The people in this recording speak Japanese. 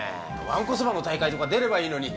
わんこそばの大会とか出ればいいのに。